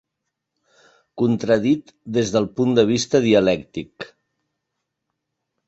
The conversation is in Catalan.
Contradit des del punt de vista dialèctic.